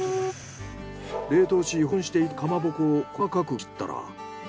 冷凍し保存していたかまぼこを細かく切ったら。